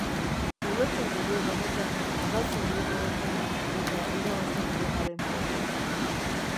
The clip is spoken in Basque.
Ulertzen dugu, benetan, galtzen duenaren pena eta irabazten duenaren poza.